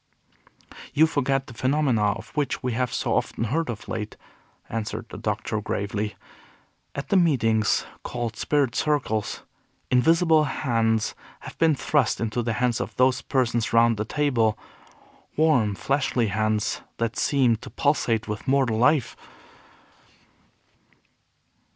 "You forget the phenomena of which we have so often heard of late," answered the Doctor, gravely. "At the meetings called 'spirit circles,' invisible hands have been thrust into the hands of those persons round the table, warm, fleshly hands that seemed to pulsate with mortal life."